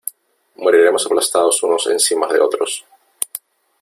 moriremos aplastados unos encima de otros .